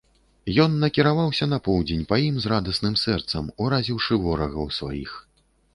Ён накіраваўся на поўдзень па ім з радасным сэрцам, уразіўшы ворагаў сваіх.